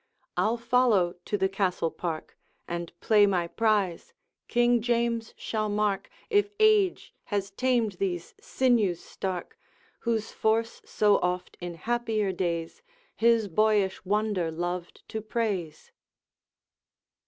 I'll follow to the Castle park, And play my prize; King James shall mark If age has tamed these sinews stark, Whose force so oft in happier days His boyish wonder loved to praise.'